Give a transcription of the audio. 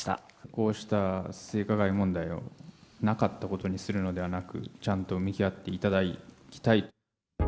こうした性加害問題をなかったことにするのではなく、ちゃんと向き合っていただきたい。